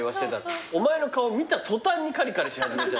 お前の顔見た途端にカリカリし始めちゃった。